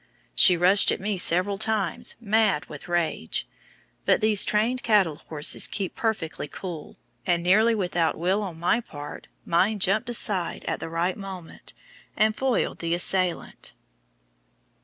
She rushed at me several times mad with rage, but these trained cattle horses keep perfectly cool, and, nearly without will on my part, mine jumped aside at the right moment, and foiled the assailant.